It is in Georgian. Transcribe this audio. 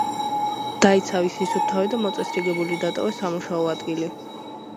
დაიცავი სისუფთავე და მოწესრიგებული დატოვე სამუშაო ადგილი.